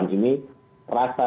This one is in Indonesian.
keuangan yang diperhatikan itu adalah